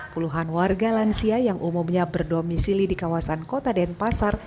puluhan warga lansia yang umumnya berdomisili di kawasan kota denpasar